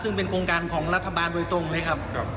ซึ่งเป็นโครงการของรัฐบาลโดยตรงเลยครับ